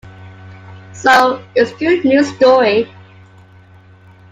So it's a good-news story.